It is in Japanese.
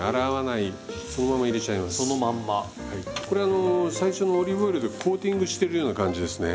これあの最初のオリーブオイルでコーティングしてるような感じですね。